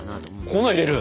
粉入れる？